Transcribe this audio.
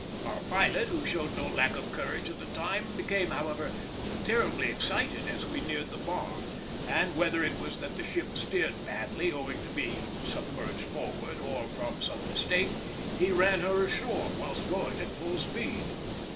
Our pilot, who showed no lack of courage at the time, became, however, terribly excited as we neared the bar, and whether it was that the ship steered badly, owing to being submerged forward, or from some mistake, he ran her ashore whilst going at full speed.